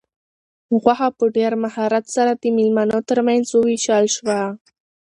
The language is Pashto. غوښه په ډېر مهارت سره د مېلمنو تر منځ وویشل شوه.